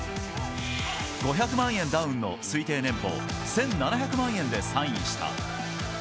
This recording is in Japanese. ５００万円ダウンの推定年俸１７００万円でサインした。